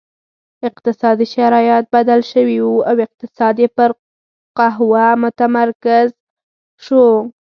اقتصادي شرایط بدل شوي وو او اقتصاد یې پر قهوه متمرکز شو.